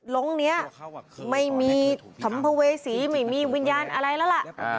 ลงนี้ไม่มีสัมภเวษีไม่มีวิญญาณอะไรแล้วล่ะ